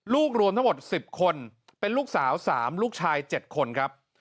รวมทั้งหมด๑๐คนเป็นลูกสาว๓ลูกชาย๗คนครับ